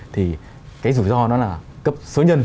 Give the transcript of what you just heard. thì cái rủi ro đó là cấp số nhân